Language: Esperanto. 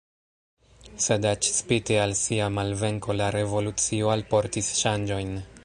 Sed eĉ spite al sia malvenko la revolucio alportis ŝanĝojn.